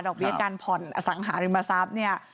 เบี้ยการผ่อนอสังหาริมทรัพย์เนี่ย